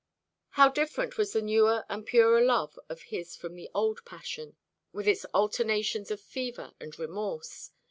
How different was this newer and purer love of his from the old passion, with its alternations of fever and remorse!